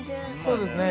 ◆そうですね。